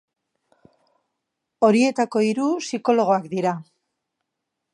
Horietako hiru psikologoak dira.